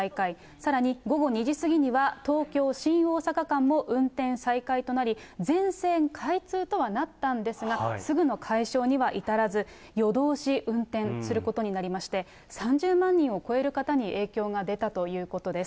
さらに午後２時過ぎには、東京・新大阪間も運転再開となり、全線開通とはなったんですが、すぐの解消には至らず、夜通し運転することになりまして、３０万人を超える方に影響が出たということです。